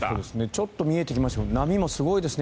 ちょっと見えてきましたけど波もすごいですね。